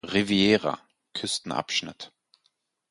Riviera (Küstenabschnitt)